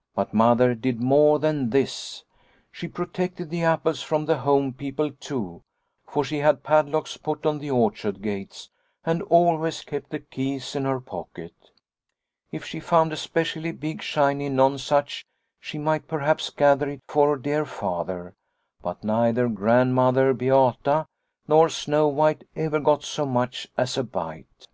" But Mother did more than this. She pro tected the apples from the home people too, for she had padlocks put on the orchard gates and always kept the keys in her pocket. If she found a specially big shiny nonesuch, she might perhaps gather it for dear Father, but neither Grandmother Beata nor Snow White ever got so much as a bite.